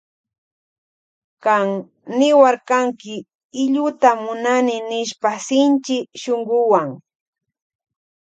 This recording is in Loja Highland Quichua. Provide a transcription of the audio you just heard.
Kan niwarkanki illuta munani nishpa shinchi shunkuwan.